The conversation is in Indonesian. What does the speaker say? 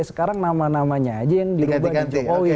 sekarang nama namanya aja yang diubahin